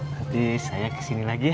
nanti saya kesini lagi